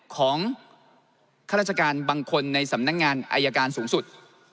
ข้าราชการบางคนในสำนักงานอายการสูงสุด